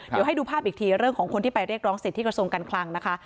เดี๋ยวให้ดูภาพอีกทีเรื่องของคนที่ไปเรียกร้องสิทธิกระทรวงการคลังนะคะ